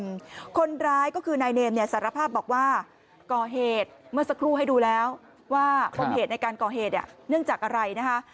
คนร้ายก็คือนายเนมเนี่ยสารภาพบอกว่าก่อเหตุเมื่อสักครู่ให้ดูแล้วว่าปมเหตุในการก่อเหตุเนื่องจากอะไรนะคะ